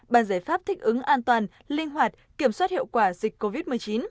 bàn giải pháp thích ứng an toàn linh hoạt kiểm soát hiệu quả dịch covid một mươi chín